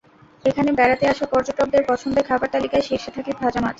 এখানে বেড়াতে আসা পর্যটকদের পছন্দের খাবার তালিকার শীর্ষে থাকে ভাজা মাছ।